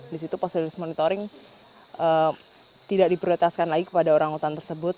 di situ proses monitoring tidak diprioritaskan lagi kepada orangutan tersebut